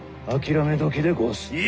あきらめどきでごわす。